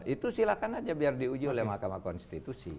itu silakan aja biar diuji oleh mahkamah konstitusi